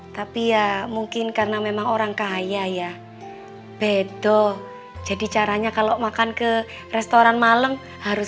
tapi ya mungkin karena memang orang kaya ya bedo jadi caranya kalau makan ke restoran malem harus